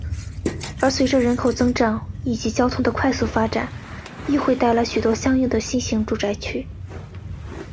而随着人口增长以及交通的快速发展亦会带来许多相应的新型住宅区。